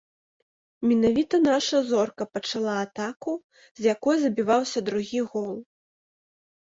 Менавіта наша зорка пачала атаку, з якой забіваўся другі гол.